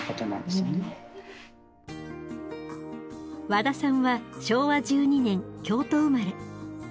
ワダさんは昭和１２年京都生まれ。